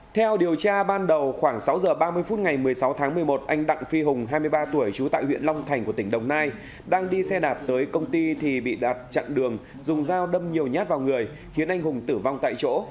theo điều tra ban đầu khoảng sáu giờ ba mươi phút ngày một mươi sáu tháng một mươi một anh đặng phi hùng hai mươi ba tuổi trú tại huyện long thành của tỉnh đồng nai đang đi xe đạp tới công ty thì bị đạt chặn đường dùng dao đâm nhiều nhát vào người khiến anh hùng tử vong tại chỗ